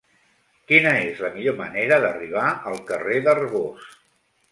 Quina és la millor manera d'arribar al carrer d'Arbós?